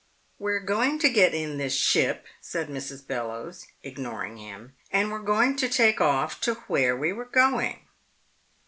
"We're going to get in this ship," said Mrs. Bellowes, ignoring him. "And we're going to take off to where we were going."